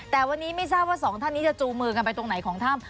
แต่วันนี้ไม่ทราบว่าสองท่านนี้จะจูงมือกันไปตรงไหนของถ้ำ